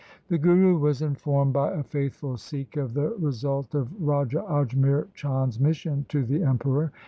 The Guru was informed by a faithful Sikh of the result of Raja Ajmer Chand's mission to the Emperor.